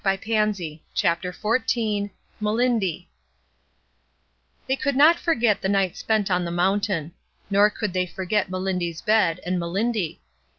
'"— Pivjc 1S8, CHAPTER XIV Melindy THEY could not forget the night spent on the mountain. Nor could they forget Melindy's bed and Melindy.